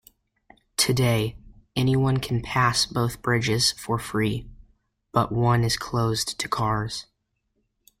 Today, anyone can pass both bridges for free, but one is closed to cars.